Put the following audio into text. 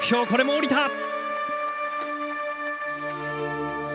これも降りた！